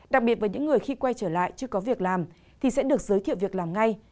đặc biệt với những người khi quay trở lại chưa có việc làm thì sẽ được giới thiệu việc làm ngay